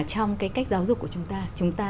trong cái cách giáo dục của chúng ta chúng ta